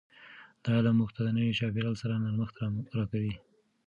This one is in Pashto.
دا علم موږ ته د نوي چاپیریال سره نرمښت راکوي.